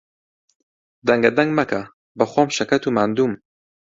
دەنگەدەنگ مەکە، بەخۆم شەکەت و ماندووم.